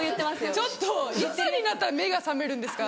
ちょっといつになったら目が覚めるんですか。